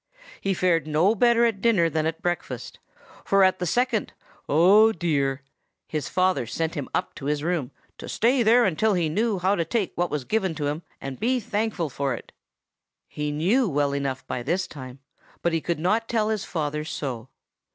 He fared no better at dinner than at breakfast; for at the second 'Oh, dear!' his father sent him up to his room, 'to stay there until he knew how to take what was given him, and be thankful for it.' He knew well enough by this time; but he could not tell his father so.